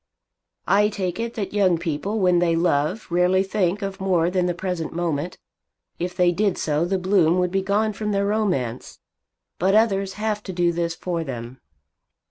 "I take it that young people when they love rarely think of more than the present moment. If they did so the bloom would be gone from their romance. But others have to do this for them.